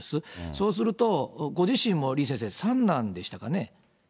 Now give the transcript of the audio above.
そうすると、ご自身も李先生、三男でしたかね。